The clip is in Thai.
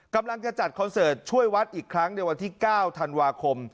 กำลังจะจัดคอนเสิร์ตช่วยวัดอีกครั้งในวันที่๙ธันวาคม